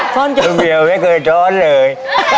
ซ่อนโจรพี่เมียไม่เคยซ่อนเลย